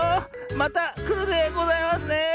またくるでございますね。